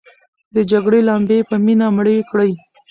د جګړې لمبې په مینه مړې کړئ.